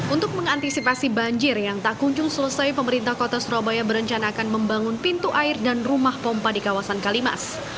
untuk mengantisipasi banjir yang tak kunjung selesai pemerintah kota surabaya berencana akan membangun pintu air dan rumah pompa di kawasan kalimas